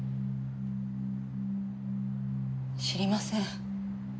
知りません。